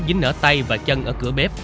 dính nở tay và chân ở cửa bếp